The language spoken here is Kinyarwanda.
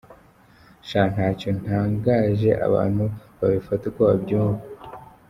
Sha ntacyo ntangaje abantu babifate uko babyumva.